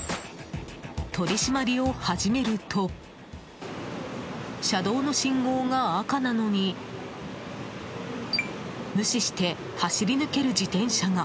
取り締まりを始めると車道の信号が赤なのに無視して走り抜ける自転車が。